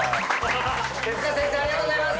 手先生ありがとうございます！